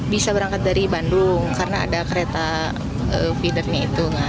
bisa berangkat dari bandung karena ada kereta feedernya itu